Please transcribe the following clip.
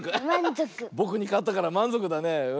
ぼくにかったからまんぞくだね。